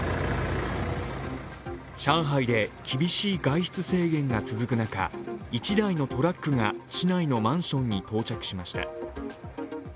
上海で厳しい外出制限が続く中、１台のトラックが市内のマンションに到着しました。